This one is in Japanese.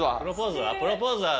プロポーズは？